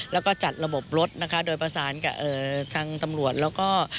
แล้วก็จัดระบบรถนะคะโดยประสานกับทางตำรวจแล้วก็